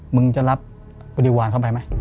มึงจะรับบริวารเข้าไปไหม